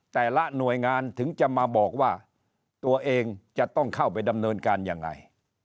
แต่ละหน่วยงานถึงจะมาบอกว่าตัวเองจะต้องเข้าไปดำเนินการยังไง